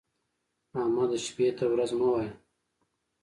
احمده! شپې ته ورځ مه وايه.